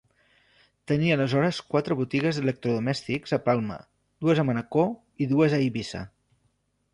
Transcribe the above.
Tenia aleshores quatre botigues d'electrodomèstics a Palma, dues a Manacor i dues a Eivissa.